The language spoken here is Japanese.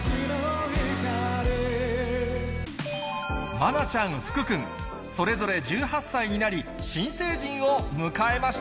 愛菜ちゃん、福君、それぞれ１８歳になり、新成人を迎えました。